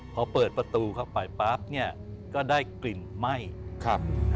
พอเปิดประตูเข้าไปปั๊บเนี่ยก็ได้กลิ่นไหม้ครับ